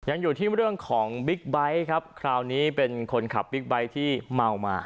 ยังอยู่ที่เรื่องของบิ๊กไบท์ครับคราวนี้เป็นคนขับบิ๊กไบท์ที่เมามา